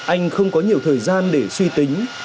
anh không có nhiều thời gian để suy tính